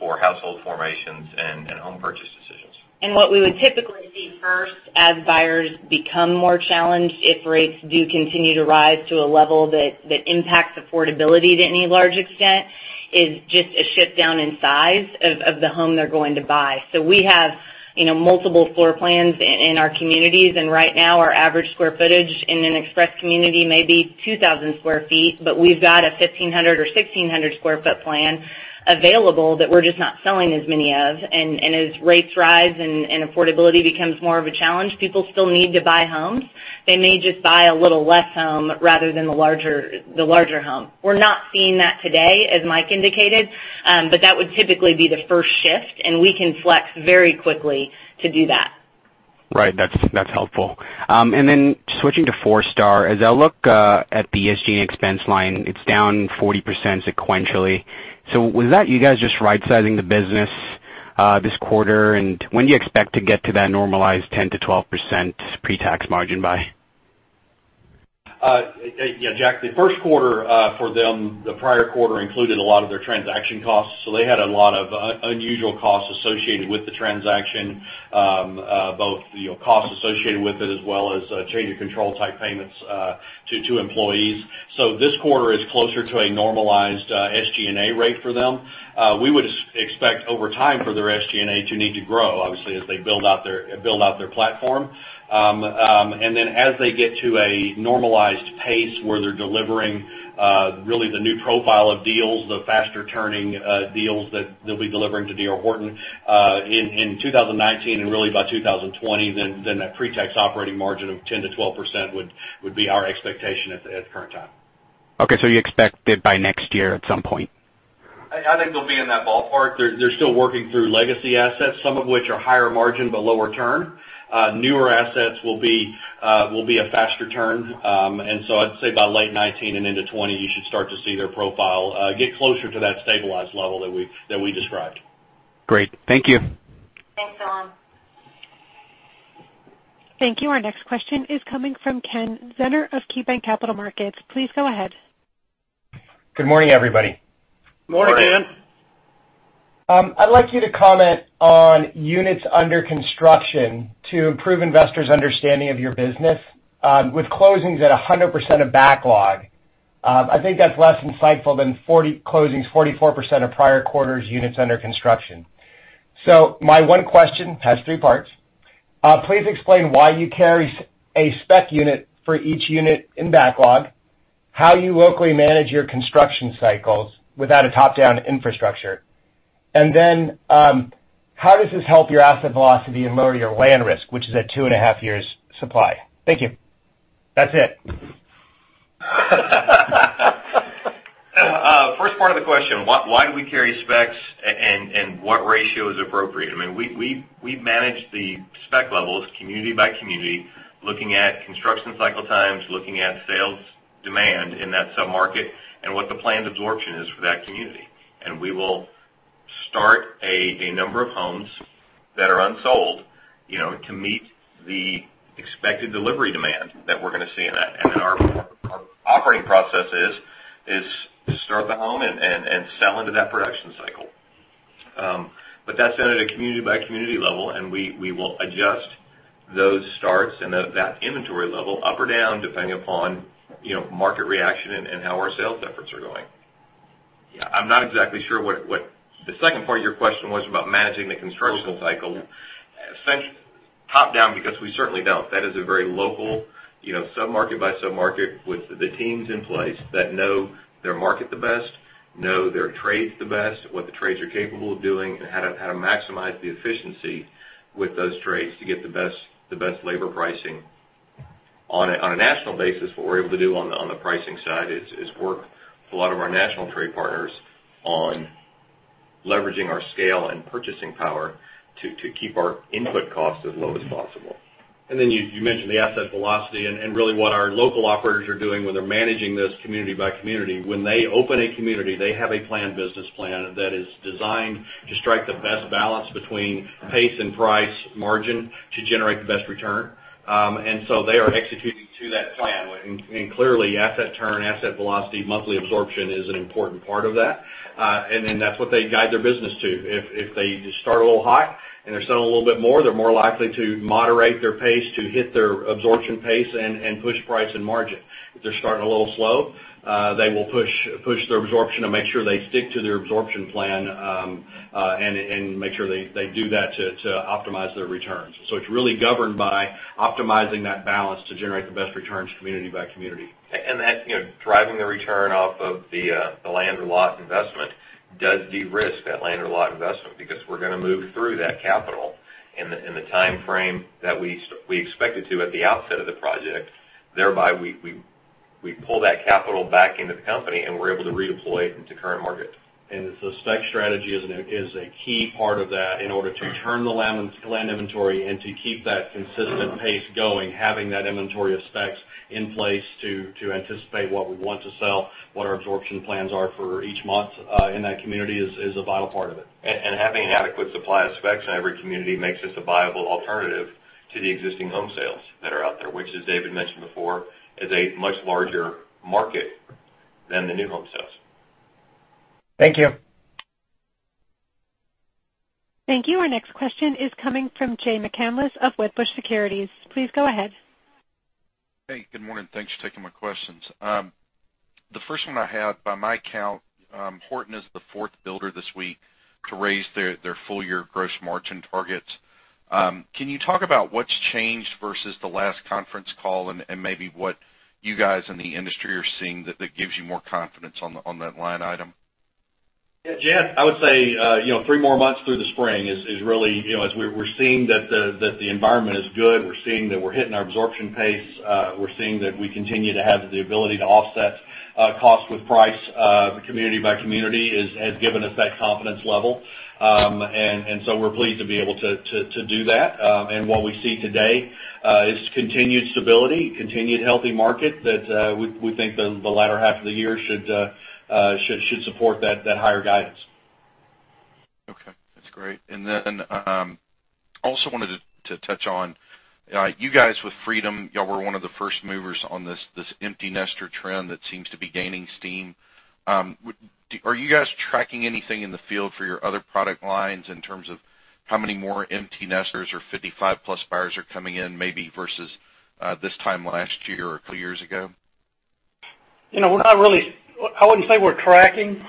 Speaker 5: for household formations and home purchase decisions.
Speaker 2: What we would typically see first as buyers become more challenged if rates do continue to rise to a level that impacts affordability to any large extent, is just a shift down in size of the home they're going to buy. We have multiple floor plans in our communities, and right now our average square footage in an Express community may be 2,000 square feet, but we've got a 1,500 or 1,600 square foot plan available that we're just not selling as many of. As rates rise and affordability becomes more of a challenge, people still need to buy homes. They may just buy a little less home rather than the larger home. We're not seeing that today, as Mike indicated. That would typically be the first shift, and we can flex very quickly to do that.
Speaker 11: Right. That's helpful. Then switching to Forestar, as I look at the SG&A expense line, it's down 40% sequentially. Was that you guys just right-sizing the business this quarter? When do you expect to get to that normalized 10%-12% pretax margin by?
Speaker 5: Yeah, Jack. The first quarter for them, the prior quarter included a lot of their transaction costs. They had a lot of unusual costs associated with the transaction, both costs associated with it, as well as change in control type payments to employees. This quarter is closer to a normalized SG&A rate for them. We would expect over time for their SG&A to need to grow, obviously, as they build out their platform. Then as they get to a normalized pace where they're delivering really the new profile of deals, the faster-turning deals that they'll be delivering to D.R. Horton in 2019 and really by 2020, then that pretax operating margin of 10%-12% would be our expectation at the current time.
Speaker 11: Okay. You expect it by next year at some point?
Speaker 5: I think they'll be in that ballpark. They're still working through legacy assets, some of which are higher margin but lower turn. Newer assets will be a faster turn. I'd say by late 2019 and into 2020, you should start to see their profile get closer to that stabilized level that we described.
Speaker 11: Great. Thank you.
Speaker 2: Thanks, Soham.
Speaker 1: Thank you. Our next question is coming from Kenneth Zener of KeyBanc Capital Markets. Please go ahead.
Speaker 12: Good morning, everybody.
Speaker 5: Morning, Ken.
Speaker 12: I'd like you to comment on units under construction to improve investors' understanding of your business. With closings at 100% of backlog, I think that's less insightful than closings 44% of prior quarters units under construction. My one question has three parts. Please explain why you carry a spec unit for each unit in backlog, how you locally manage your construction cycles without a top-down infrastructure, and then how does this help your asset velocity and lower your land risk, which is at two and a half years supply? Thank you. That's it.
Speaker 5: First part of the question, why do we carry specs and what ratio is appropriate? I mean, we manage the spec levels community by community, looking at construction cycle times, looking at sales demand in that sub-market and what the planned absorption is for that community. We will start a number of homes that are unsold to meet the expected delivery demand that we're going to see in that. Then our operating process is start the home and sell into that production cycle. That's done at a community-by-community level, and we will adjust those starts and that inventory level up or down depending upon market reaction and how our sales efforts are going. Yeah, I'm not exactly sure what the second part of your question was about managing the construction cycle. Top-down, because we certainly don't. That is a very local, sub-market-by-sub-market with the teams in place that know their market the best, know their trades the best, what the trades are capable of doing, and how to maximize the efficiency with those trades to get the best labor pricing. On a national basis, what we're able to do on the pricing side is work with a lot of our national trade partners on leveraging our scale and purchasing power to keep our input costs as low as possible. You mentioned the asset velocity and really what our local operators are doing when they're managing this community by community. When they open a community, they have a planned business plan that is designed to strike the best balance between pace and price margin to generate the best return. They are executing to that plan. Clearly, asset turn, asset velocity, monthly absorption is an important part of that. That's what they guide their business to. If they start a little high and they're selling a little bit more, they're more likely to moderate their pace to hit their absorption pace and push price and margin. If they're starting a little slow, they will push their absorption to make sure they stick to their absorption plan, and make sure they do that to optimize their returns. It's really governed by optimizing that balance to generate the best returns community by community.
Speaker 4: That, driving the return off of the land or lot investment does de-risk that land or lot investment, because we're going to move through that capital in the time frame that we expected to at the outset of the project. Thereby, we pull that capital back into the company, and we're able to redeploy it into current markets.
Speaker 5: The spec strategy is a key part of that in order to turn the land inventory and to keep that consistent pace going, having that inventory of specs in place to anticipate what we want to sell, what our absorption plans are for each month in that community is a vital part of it.
Speaker 4: Having an adequate supply of specs in every community makes us a viable alternative to the existing home sales that are out there, which, as David mentioned before, is a much larger market than the new home sales.
Speaker 12: Thank you.
Speaker 1: Thank you. Our next question is coming from Jay McCanless of Wedbush Securities. Please go ahead.
Speaker 13: Hey, good morning. Thanks for taking my questions. The first one I had, by my count, Horton is the fourth builder this week to raise their full-year gross margin targets. Can you talk about what's changed versus the last conference call and maybe what you guys in the industry are seeing that gives you more confidence on that line item?
Speaker 5: Yeah, Jay, I would say, three more months through the spring is really, as we're seeing that the environment is good. We're seeing that we're hitting our absorption pace. We're seeing that we continue to have the ability to offset cost with price, community by community has given us that confidence level. So we're pleased to be able to do that. What we see today is continued stability, continued healthy market that we think the latter half of the year should support that higher guidance.
Speaker 13: Okay. That's great. Also wanted to touch on, you guys with Freedom, y'all were one of the first movers on this empty nester trend that seems to be gaining steam. Are you guys tracking anything in the field for your other product lines in terms of how many more empty nesters or 55-plus buyers are coming in, maybe versus this time last year or a couple of years ago?
Speaker 3: We're not really I wouldn't say we're tracking.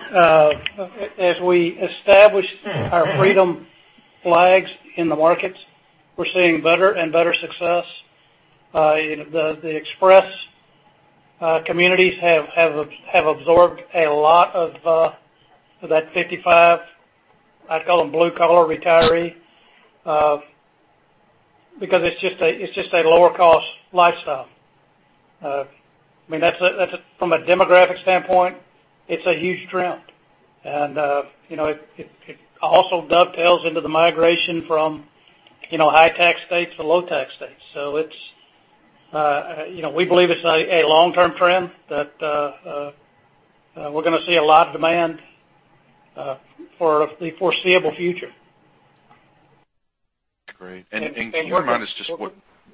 Speaker 3: As we establish our Freedom flags in the markets, we're seeing better and better success. The Express communities have absorbed a lot of that 55, I call them blue-collar retiree, because it's just a lower-cost lifestyle. From a demographic standpoint, it's a huge trend. It also dovetails into the migration from high-tax states to low-tax states. We believe it's a long-term trend that we're going to see a lot of demand for the foreseeable future.
Speaker 13: Great. Do you mind-
Speaker 3: Jay, one
Speaker 13: just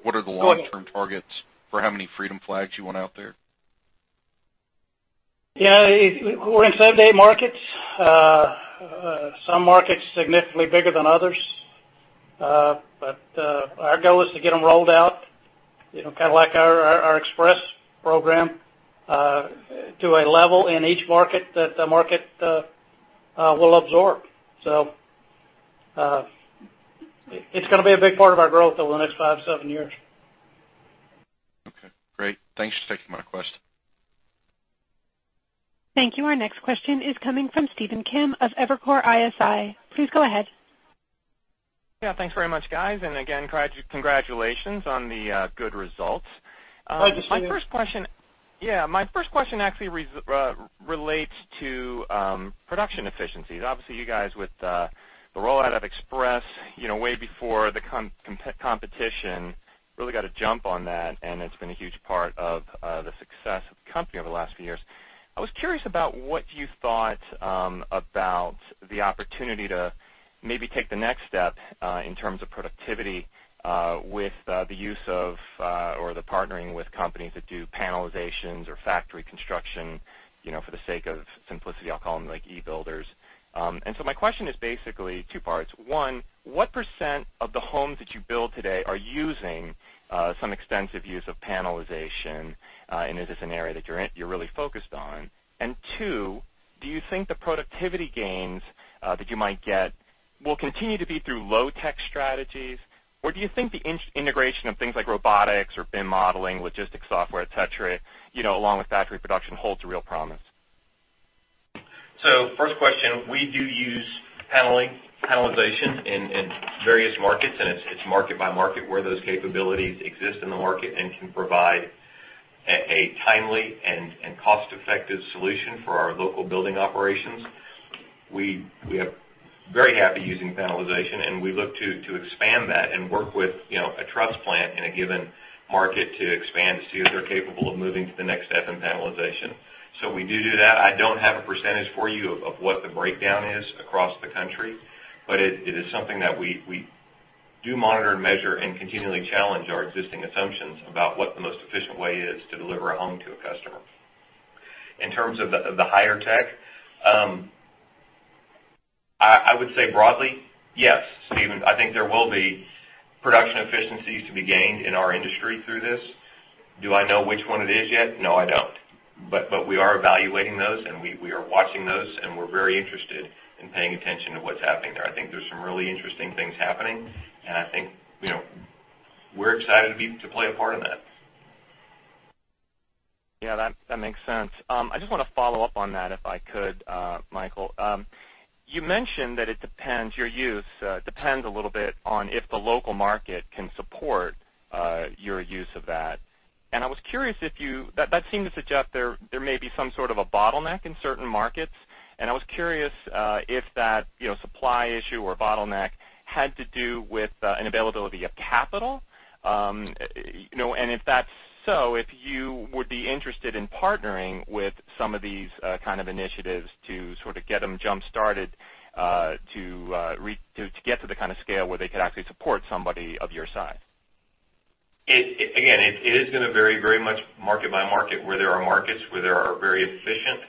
Speaker 13: what are the long-term targets for how many Freedom flags you want out there?
Speaker 3: Yeah. We're in seven, eight markets. Some markets significantly bigger than others. Our goal is to get them rolled out, kind of like our Express program, to a level in each market that the market will absorb. It's going to be a big part of our growth over the next five, seven years.
Speaker 13: Okay, great. Thanks for taking my question.
Speaker 1: Thank you. Our next question is coming from Stephen Kim of Evercore ISI. Please go ahead.
Speaker 14: Yeah, thanks very much, guys. Again, congratulations on the good results.
Speaker 3: Pleasure.
Speaker 14: My first question actually relates to production efficiencies. Obviously, you guys with the rollout of Express, way before the competition, really got a jump on that, and it's been a huge part of the success of the company over the last few years. I was curious about what you thought about the opportunity to maybe take the next step, in terms of productivity, with the use of, or the partnering with companies that do panelizations or factory construction. For the sake of simplicity, I'll call them eBuilders. My question is basically two parts. One, what % of the homes that you build today are using some extensive use of panelization? Is this an area that you're really focused on? Two, do you think the productivity gains that you might get will continue to be through low-tech strategies, or do you think the integration of things like robotics or BIM modeling, logistics software, et cetera, along with factory production, holds real promise?
Speaker 4: First question, we do use panelization in various markets, and it's market by market where those capabilities exist in the market and can provide a timely and cost-effective solution for our local building operations. We are very happy using panelization, and we look to expand that and work with a truss plant in a given market to expand to see if they're capable of moving to the next step in panelization. We do that. I don't have a percentage for you of what the breakdown is across the country, but it is something that we do monitor and measure and continually challenge our existing assumptions about what the most efficient way is to deliver a home to a customer. In terms of the higher tech, I would say broadly, yes, Stephen, I think there will be production efficiencies to be gained in our industry through this. Do I know which one it is yet? No, I don't. We are evaluating those, and we are watching those, and we're very interested in paying attention to what's happening there. I think there's some really interesting things happening, and I think we're excited to play a part in that.
Speaker 14: Yeah, that makes sense. I just want to follow up on that, if I could, Michael. You mentioned that your use depends a little bit on if the local market can support your use of that. That seemed to suggest there may be some sort of a bottleneck in certain markets, and I was curious if that supply issue or bottleneck had to do with an availability of capital. If that's so, if you would be interested in partnering with some of these kind of initiatives to sort of get them jump-started to get to the kind of scale where they could actually support somebody of your size.
Speaker 4: Again, it is going to vary very much market by market, where there are markets, where there are very efficient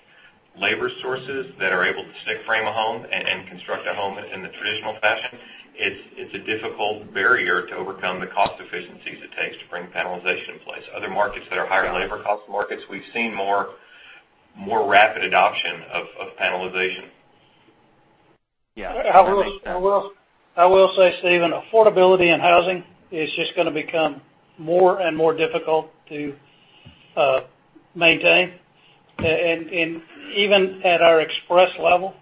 Speaker 4: labor sources that are able to stick frame a home and construct a home in the traditional fashion. It's a difficult barrier to overcome the cost efficiencies it takes to bring panelization in place. Other markets that are higher labor cost markets, we've seen more rapid adoption of panelization.
Speaker 14: Yeah.
Speaker 3: I will say, Stephen, affordability in housing is just going to become more and more difficult to maintain. Even at our Express Homes level,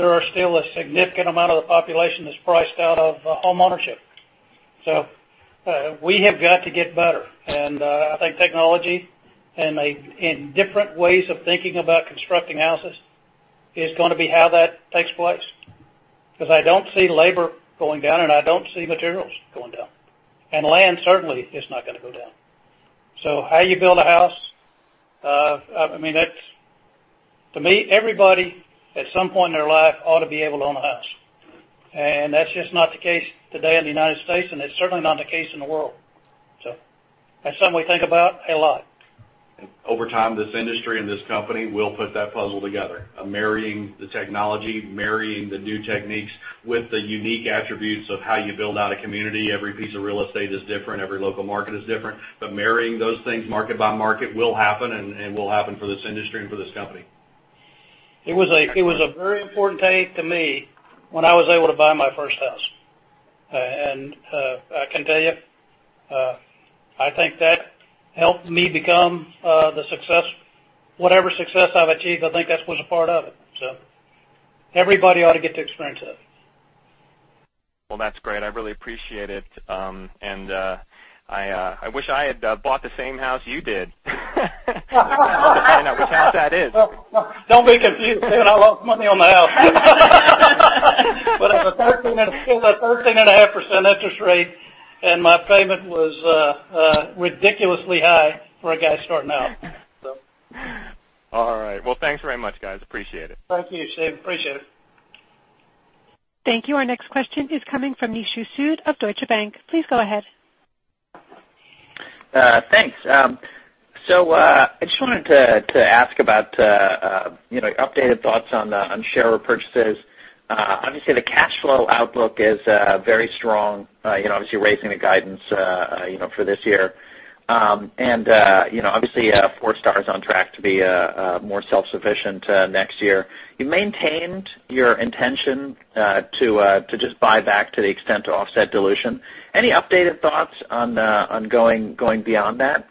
Speaker 3: there are still a significant amount of the population that's priced out of homeownership. We have got to get better. I think technology and different ways of thinking about constructing houses is going to be how that takes place. Because I don't see labor going down, and I don't see materials going down. Land certainly is not going to go down. How you build a house, to me, everybody at some point in their life ought to be able to own a house. That's just not the case today in the U.S., and it's certainly not the case in the world. That's something we think about a lot.
Speaker 4: Over time, this industry and this company will put that puzzle together, marrying the technology, marrying the new techniques with the unique attributes of how you build out a community. Every piece of real estate is different. Every local market is different. Marrying those things market by market will happen and will happen for this industry and for this company.
Speaker 3: It was a very important day to me when I was able to buy my first house. I can tell you, I think that helped me become whatever success I've achieved, I think that was a part of it. Everybody ought to get to experience that.
Speaker 14: Well, that's great. I really appreciate it. I wish I had bought the same house you did. Find out which house that is.
Speaker 3: Don't be confused, Stephen, I lost money on my house. At a 13.5% interest rate, and my payment was ridiculously high for a guy starting out.
Speaker 14: All right. Well, thanks very much, guys. Appreciate it.
Speaker 3: Thank you, Stephen. Appreciate it.
Speaker 1: Thank you. Our next question is coming from Nishu Sood of Deutsche Bank. Please go ahead.
Speaker 15: Thanks. I just wanted to ask about updated thoughts on share repurchases. Obviously, the cash flow outlook is very strong, obviously raising the guidance for this year. Forestar is on track to be more self-sufficient next year. You maintained your intention to just buy back to the extent to offset dilution. Any updated thoughts on going beyond that?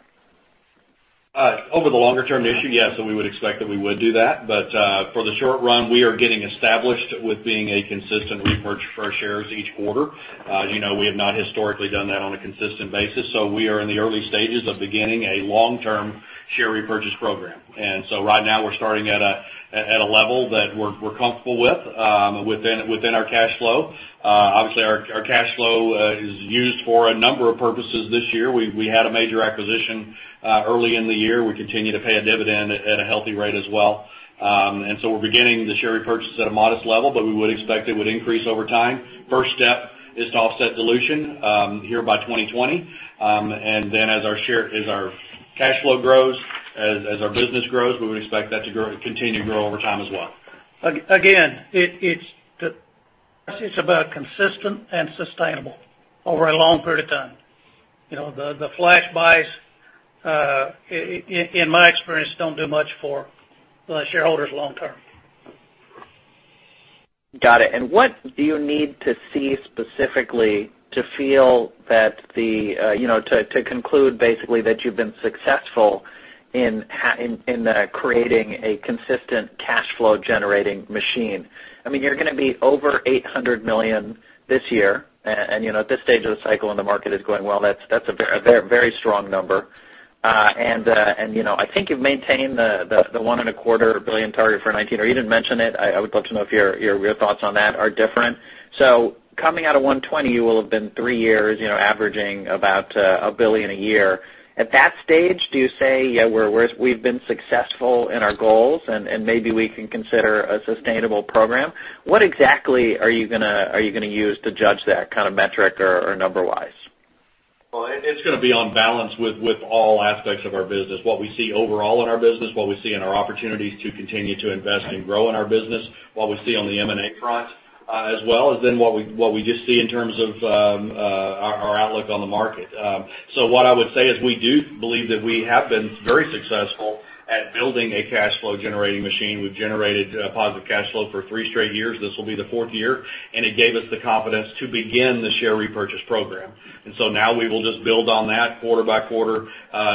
Speaker 4: Over the longer term, Nishu, yes, we would expect that we would do that. For the short run, we are getting established with being a consistent repurchase for our shares each quarter. As you know, we have not historically done that on a consistent basis, we are in the early stages of beginning a long-term share repurchase program. Right now, we're starting at a level that we're comfortable with within our cash flow. Obviously, our cash flow is used for a number of purposes this year. We had a major acquisition early in the year. We continue to pay a dividend at a healthy rate as well. We're beginning the share repurchase at a modest level, but we would expect it would increase over time. First step is to offset dilution here by 2020. As our cash flow grows, as our business grows, we would expect that to continue to grow over time as well.
Speaker 3: Again, it's about consistent and sustainable over a long period of time. The flash buys, in my experience, don't do much for the shareholders long term.
Speaker 15: Got it. What do you need to see specifically to conclude basically that you've been successful in creating a consistent cash flow-generating machine? You're going to be over $800 million this year, and at this stage of the cycle and the market is going well, that's a very strong number. I think you've maintained the $1.25 billion target for 2019, or you didn't mention it. I would love to know if your real thoughts on that are different. Coming out of 2020, you will have been three years, averaging about $1 billion a year. At that stage, do you say, "Yeah, we've been successful in our goals, and maybe we can consider a sustainable program"? What exactly are you going to use to judge that kind of metric or number-wise?
Speaker 5: It's going to be on balance with all aspects of our business, what we see overall in our business, what we see in our opportunities to continue to invest and grow in our business, what we see on the M&A front, as well as what we just see in terms of our outlook on the market. What I would say is we do believe that we have been very successful at building a cash flow-generating machine. We've generated a positive cash flow for three straight years. This will be the fourth year, and it gave us the confidence to begin the share repurchase program. Now we will just build on that quarter by quarter,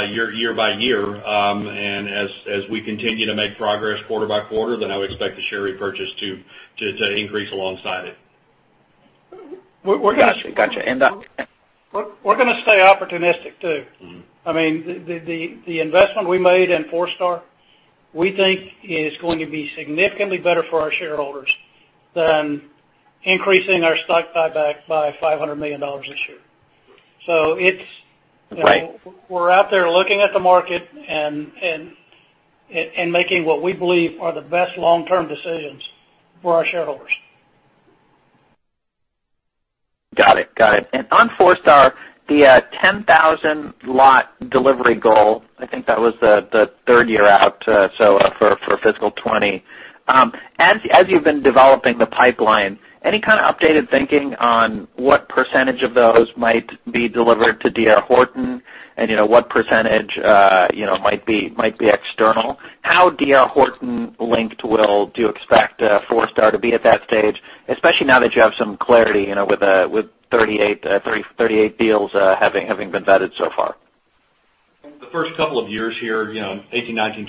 Speaker 5: year by year. As we continue to make progress quarter by quarter, I would expect the share repurchase to increase alongside it.
Speaker 15: Got you.
Speaker 3: We're going to stay opportunistic, too. The investment we made in Forestar, we think is going to be significantly better for our shareholders than increasing our stock buyback by $500 million this year.
Speaker 15: Right.
Speaker 3: We're out there looking at the market and making what we believe are the best long-term decisions for our shareholders.
Speaker 15: Got it. On Forestar, the 10,000-lot delivery goal, I think that was the third year out, so for fiscal 2020. As you've been developing the pipeline, any kind of updated thinking on what percentage of those might be delivered to D.R. Horton and what percentage might be external? How D.R. Horton-linked do you expect Forestar to be at that stage, especially now that you have some clarity with 38 deals having been vetted so far?
Speaker 5: The first couple of years here, 2018, 2019,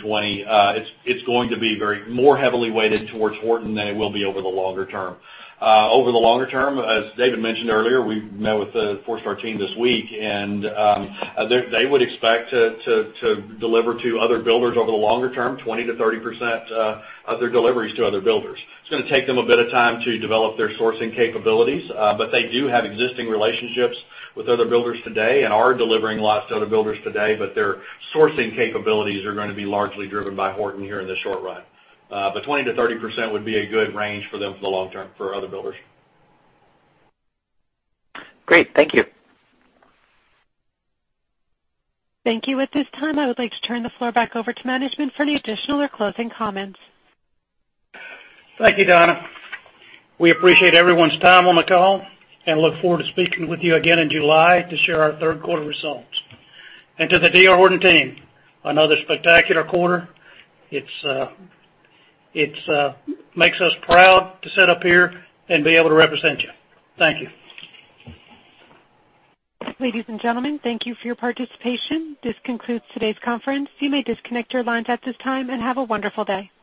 Speaker 5: 2020, it's going to be more heavily weighted towards Horton than it will be over the longer term. Over the longer term, as David mentioned earlier, we met with the Forestar team this week, they would expect to deliver to other builders over the longer term, 20%-30% of their deliveries to other builders. It's going to take them a bit of time to develop their sourcing capabilities, they do have existing relationships with other builders today and are delivering lots to other builders today. Their sourcing capabilities are going to be largely driven by Horton here in the short run. 20%-30% would be a good range for them for the long term for other builders.
Speaker 15: Great. Thank you.
Speaker 1: Thank you. At this time, I would like to turn the floor back over to management for any additional or closing comments.
Speaker 3: Thank you, Donna. We appreciate everyone's time on the call and look forward to speaking with you again in July to share our third quarter results. To the D.R. Horton team, another spectacular quarter. It makes us proud to sit up here and be able to represent you. Thank you.
Speaker 1: Ladies and gentlemen, thank you for your participation. This concludes today's conference. You may disconnect your lines at this time. Have a wonderful day.